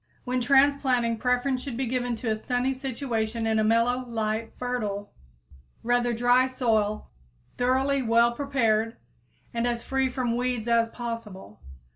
When transplanting, preference should be given to a sunny situation in a mellow, light, fertile, rather dry soil thoroughly well prepared and as free from weeds as possible.